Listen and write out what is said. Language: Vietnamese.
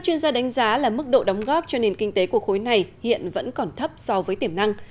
chuyên gia đánh giá là mức độ đóng góp cho nền kinh tế của khối này hiện vẫn còn thấp so với tiềm năng